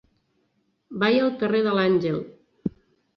Vaig al carrer de l'Àngel.